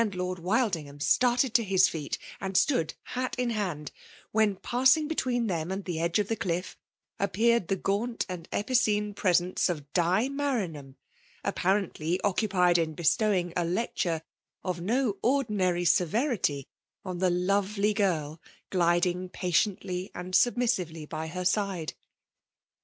Xiord Wildingham started to his feet, and $tood hat in hand, — when, passing betwieen them and the edge of the cliff, appeared tlie gaunt and epicoene presence of Di MaraiK ham, apparently occupied in bestowing a lecture of no ordinary severity on the lovely girl gliding patiently and submissively by her side.